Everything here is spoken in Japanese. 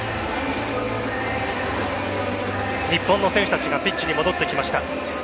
日本の選手たちがピッチに戻ってきました。